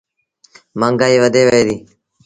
مآݩگآئيٚ وڌي وهي ديٚ۔